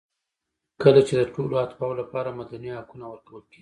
کله چې د ټولو اتباعو لپاره مدني حقونه ورکول کېږي.